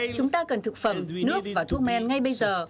chúng ta cần thực phẩm nước và thuốc men ngay bây giờ